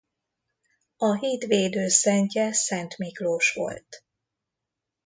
A híd védőszentje Szent Miklós volt.